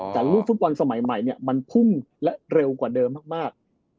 แต่ลูกฟุตบอลสมัยใหม่เนี่ยมันพุ่งและเร็วกว่าเดิมมาก